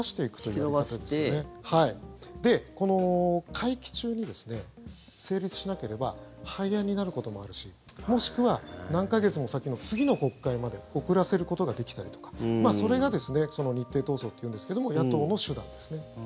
この会期中に成立しなければ廃案になることもあるしもしくは何か月も先の次の国会まで遅らせることができたりとかそれが日程闘争っていうんですが野党の手段ですね。